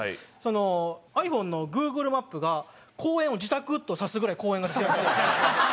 ｉＰｈｏｎｅのＧｏｏｇｌｅマップが公園を自宅と指すぐらい公園が好きなんですよ。